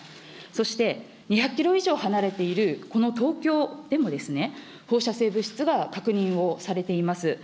そして、２００キロ以上離れているこの東京でも、放射性物質が確認をされています。